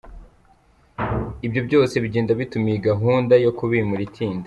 Ibyo byose bigenda bituma iyi gahunda yo kubimura itinda.